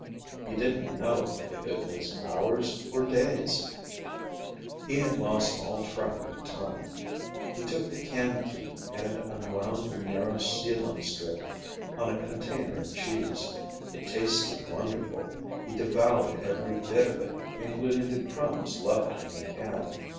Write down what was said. He didn't know if it was hours, or days. He had lost all track of time. He took the can key and unwound the narrow sealing strip on a container of cheese. It tasted wonderful. He devoured every bit of it, including the crumbs left in the can.